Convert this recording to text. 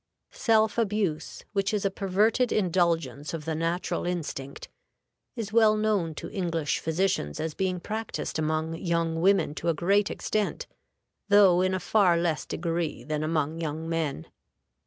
Self abuse, which is a perverted indulgence of the natural instinct, is well known to English physicians as being practiced among young women to a great extent, though in a far less degree than among young men.